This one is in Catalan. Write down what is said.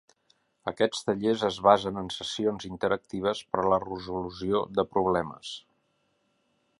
Aquests tallers es basen en sessions interactives per a la resolució de problemes.